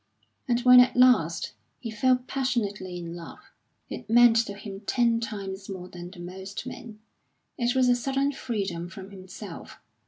And when at last he fell passionately in love, it meant to him ten times more than to most men; it was a sudden freedom from himself.